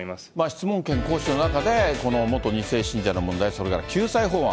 質問権行使の中で、この元２世信者の問題、それから救済法案、